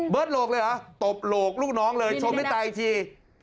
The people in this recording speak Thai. เบิร์ดโหลกเลยเหรอตบโหลกลูกน้องเลยชมในใต้อีกที